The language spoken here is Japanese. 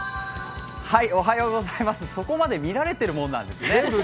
そこまで見られてるもんなんですね。